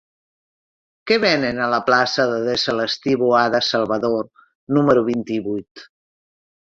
Què venen a la plaça de Celestí Boada Salvador número vint-i-vuit?